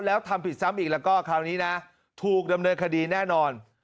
แล้วทำผิดซ้ำอีกแล้วก็คราวนี้นะถูกดำเนินคดีแน่นอน